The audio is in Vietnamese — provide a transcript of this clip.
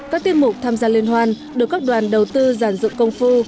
các tiêm mục tham gia liên hoan được các đoàn đầu tư giản dựng công phu